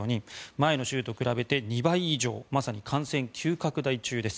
前の週と比べて２倍以上まさに感染急拡大中です。